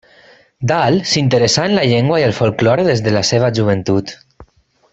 Dal s'interessà en la llengua i el folklore des de la seva joventut.